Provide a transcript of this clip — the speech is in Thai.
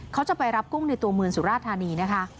เขาจะไปรับกุ้งในตัวเมืองสุราธานีนะคะ